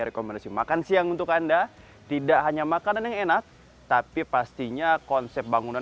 rekomendasi makan siang untuk anda tidak hanya makanan yang enak tapi pastinya konsep bangunan